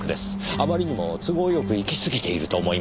あまりにも都合よくいきすぎていると思いませんか？